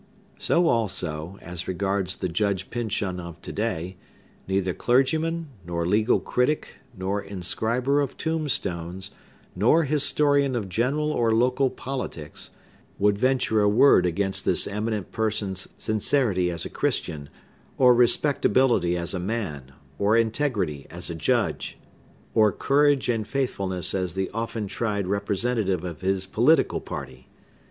So also, as regards the Judge Pyncheon of to day, neither clergyman, nor legal critic, nor inscriber of tombstones, nor historian of general or local politics, would venture a word against this eminent person's sincerity as a Christian, or respectability as a man, or integrity as a judge, or courage and faithfulness as the often tried representative of his political party.